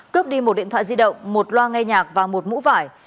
cướp đi một điện thoại di động một loa nghe nhạc và một mũ vải